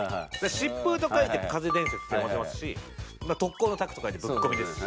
疾風と書いて「かぜ」伝説と読ませますし特攻の拓と書いて「ぶっこみ」ですし。